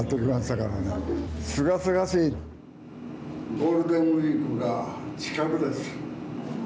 ゴールデンウイークが近くです。